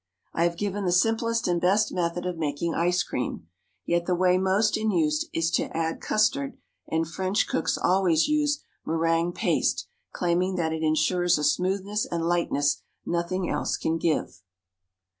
I have given the simplest and best method of making ice cream, yet the way most in use is to add custard; and French cooks always use "méringue paste," claiming that it insures a smoothness and lightness nothing else can give.